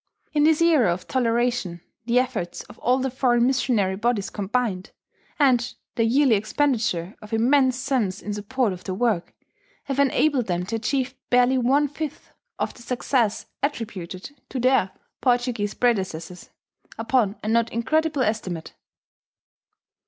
In this era of toleration the efforts of all the foreign missionary bodies combined, and the yearly expenditure of immense sums in support of their work, have enabled them to achieve barely one fifth f the success attributed to their Portuguese predecessors, upon a not incredible estimate.